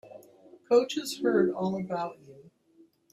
Coach has heard all about you.